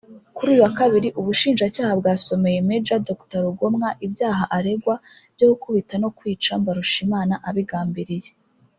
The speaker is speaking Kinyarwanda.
Kuri uyu wa kabiri Ubushinjacyaha bwasomeye Maj Dr Rugomwa ibyaha aregwa byo gukubita no kwica Mbarushimana abigambiriye